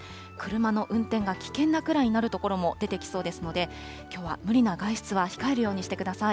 車の運転が危険なくらいになる所も出てきそうですので、きょうは無理な外出は控えるようにしてください。